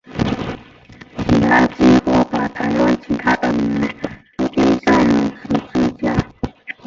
其实他几乎把台湾其他的人都钉上了十字架。